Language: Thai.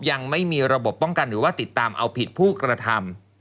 ยังไม่มีระบบป้องกันหรือว่าติดตามเอาผิดผู้กระทำ